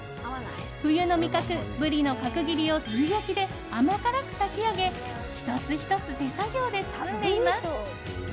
冬の味覚、ブリの角切りを照り焼きで甘辛く炊き上げ１つ１つ手作業で包んでいます。